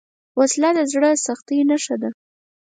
وسله د زړه سختۍ نښه ده